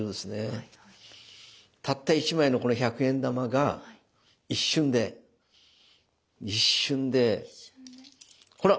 たった一枚のこの１００円玉が一瞬で一瞬でほら！